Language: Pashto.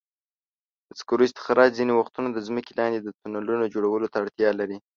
د سکرو استخراج ځینې وختونه د ځمکې لاندې د تونلونو جوړولو ته اړتیا لري.